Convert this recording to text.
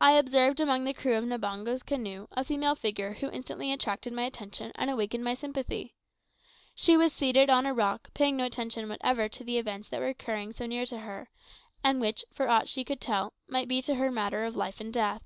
I observed among the crew of Mbango's canoe a female figure who instantly attracted my attention and awakened my sympathy. She was seated on a rock, paying no attention whatever to the events that were occurring so near to her, and which, for aught she could tell, might be to her matter of life or death.